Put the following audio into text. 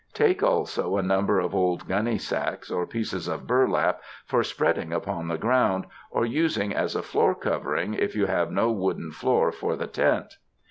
Take also a number of old gunny sacks or pieces of burlap for spreading upon the ground, or using as a floor covering if you have no wooden floor for the tent.